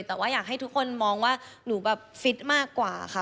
แต่ว่าอยากให้ทุกคนมองว่าหนูแบบฟิตมากกว่าค่ะ